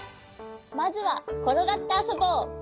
まずはころがってあそぼう。